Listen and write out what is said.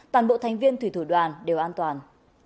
toàn bộ thành viên thủy thủ đoàn đều an toàn